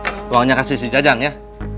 nih cepet uangnya kasih si cajang ya